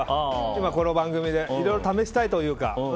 今、この番組でいろいろ試したいというか。